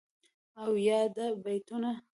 او یادا بیتونه..